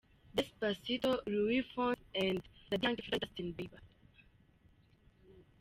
"Despacito" - Luis Fonsi and Daddy Yankee featuring Justin Bieber.